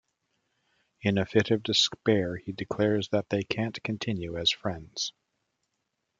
In a fit of despair he declares that they can't continue as friends.